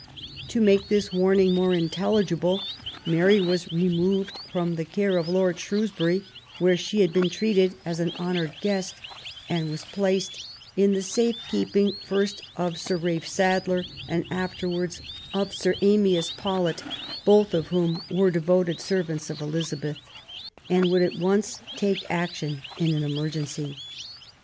To make this warning more intelligible, Mary was removed from ft the care of Lord Shrewsbury, where she had been treated as an honoured guest, and was placed in the safe keeping, first of Sir Ralph Sadler, and afterwards of Sir Amyas Paulet, both of whom were devoted servants of Elizabeth, and would at once take action in an emergency.